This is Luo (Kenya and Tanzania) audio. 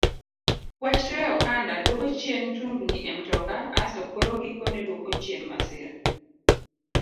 Wach tweyo okanda duoko chien tungni e mtoka asto koro gikone duoko chien masira.